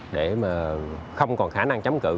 để mà không còn khả năng chống cự